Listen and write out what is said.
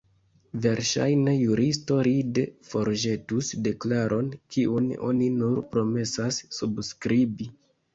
Verŝajne juristo ride forĵetus deklaron, kiun oni nur promesas subskribi.